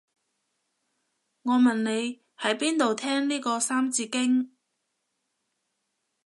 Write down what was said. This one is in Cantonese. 我問你喺邊度聽呢個三字經